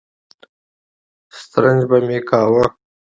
سترنج به مې کاوه.